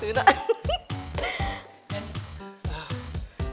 hei sepatu irak